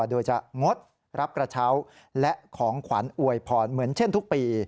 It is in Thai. โดยจะงดรับกระเช้าและของขวัญอวยพรเหมือนเช่นทุกปี